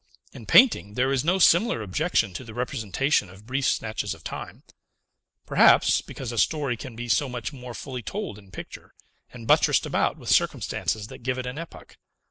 In painting there is no similar objection to the representation of brief snatches of time, perhaps because a story can be so much more fully told in picture, and buttressed about with circumstances that give it an epoch.